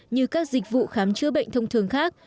như các dịch vụ khám chữa bệnh thông thường khác